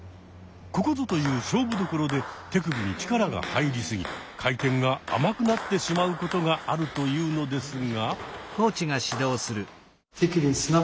ここぞという勝負どころで手首に力が入りすぎ回転が甘くなってしまうことがあるというのですが。